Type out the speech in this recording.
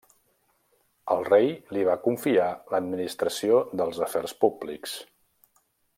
El rei li va confiar l'administració dels afers públics.